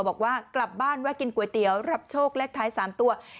บอกว่ากลับบ้านแวะกินก๋วยเตี๋ยวรับโชคเลขท้าย๓ตัว